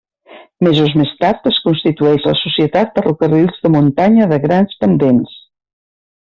Mesos més tard es constitueix la societat Ferrocarrils de Muntanya de Grans Pendents.